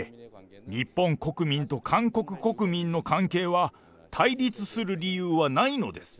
日本国民と韓国国民の関係は、対立する理由はないのです。